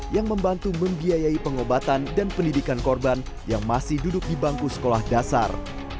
yang membantu membiayai pengobatan dan pendidikan korban yang masih duduk di bangku sekolah dasar